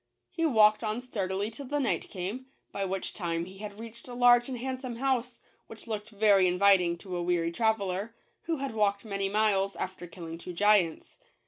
He walked on sturdily till the night came, by which time he had reached a large and handsome house, which looked very inviting to a weary traveler, who had walked many miles, after killing two giants.